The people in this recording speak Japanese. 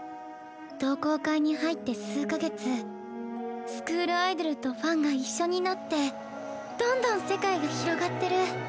同好会に入って数か月スクールアイドルとファンが一緒になってどんどん世界が広がってる。